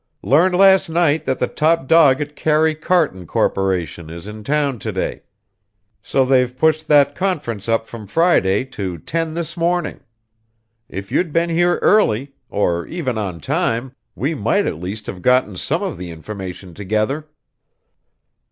"Learned last night that the top dog at Karry Karton Korporation is in town today, so they've pushed that conference up from Friday to ten this morning. If you'd been here early or even on time we might at least have gotten some of the information together."